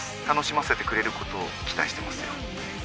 楽しませてくれることを期待してますよ。